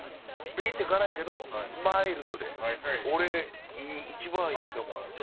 ピリって辛いけどマイルドで俺いい一番いいかも分からん。